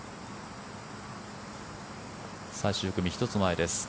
最終組１つ前です。